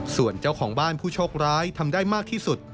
ส่วนเจ้าของบ้านผู้โชคร้ายทำได้มากที่สุด